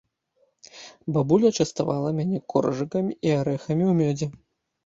Бабуля частавала мяне коржыкамі і арэхамі ў мёдзе.